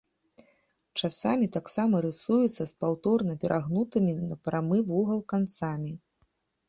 Часамі таксама рысуецца з паўторна перагнутымі на прамы вугал канцамі.